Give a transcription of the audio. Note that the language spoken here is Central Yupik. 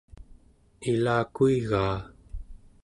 ilakuigaa